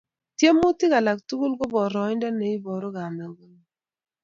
Tiemutik alak tugul ko boroindo ne iporu kamukengung